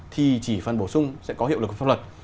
thì chỉ phần bổ sung sẽ có hiệu lực pháp luật